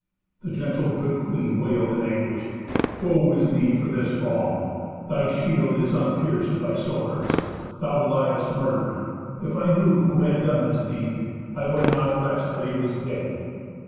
The gentle, good queen wailed in anguish, "Woe is me for this wrong! Thy shield is unpierced by swords. Thou liest murdered. If I knew who had done this deed, I would not rest till he was dead."